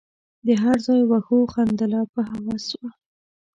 د هر ځای وښو خندله په هوس وه